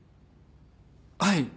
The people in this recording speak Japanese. はい。